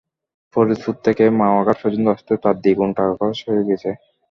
ফরিদপুর থেকে মাওয়া ঘাট পর্যন্ত আসতে তাঁর দ্বিগুণ টাকা খরচ হয়ে গেছে।